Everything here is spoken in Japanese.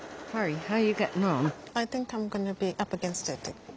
はい。